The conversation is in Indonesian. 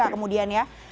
ada kemudian ya